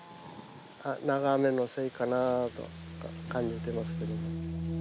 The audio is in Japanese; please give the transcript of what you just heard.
長雨のせいかなと感じてますけど。